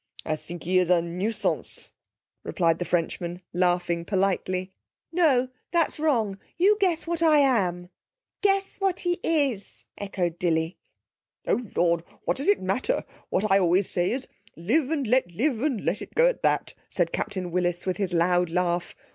'I sink he is a nuisance,' replied the Frenchman, laughing politely. 'No, that's wrong. You guess what I am.' 'Guess what he is,' echoed Dilly. 'O Lord! what does it matter? What I always say is live and let live, and let it go at that,' said Captain Willis, with his loud laugh.